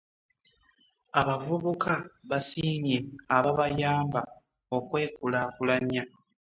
Abavubuka basiimye ababayamba okwekulakulanya.